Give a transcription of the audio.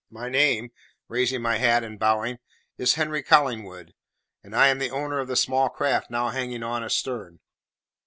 My name," raising my hat and bowing, "is Henry Collingwood, and I am the owner of the small craft now hanging on astern.